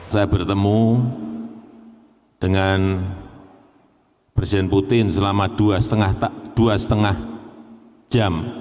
saya bertemu dengan presiden putin selama dua lima jam